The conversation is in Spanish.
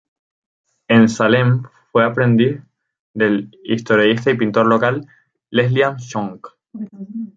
En Salem, fue aprendiz del historietista y pintor local, Leslie Swank.